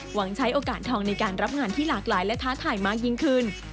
หวังใช้โอกาสทองในการรับงานที่หลากหลายและท้าทายมากยิ่งขึ้น